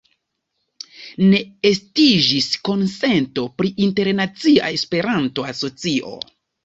Ne estiĝis konsento pri internacia Esperanto-asocio.